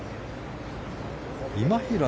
今平